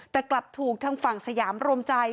แต่กลับถูกทางฝั่งสยามรวมใจ